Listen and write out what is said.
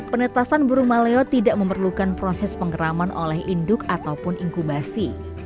penetasan burung maleo tidak memerlukan proses penggeraman oleh induk ataupun inkubasi